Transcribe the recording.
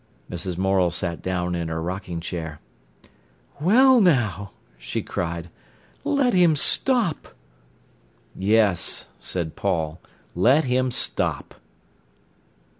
...'" Mrs. Morel sat down in her rocking chair. "Well, now," she cried, "let him stop!" "Yes," said Paul, "let him stop."